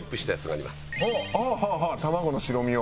あっはあはあ卵の白身を？